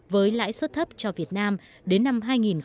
với lãi suất thấp cho việt nam đến năm hai nghìn một mươi chín